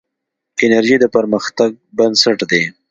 انرژي د پرمختګ بنسټ دی.